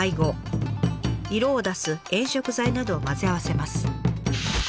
色を出す炎色剤などを混ぜ合わせます。